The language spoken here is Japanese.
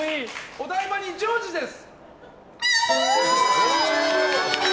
お台場にジョージです。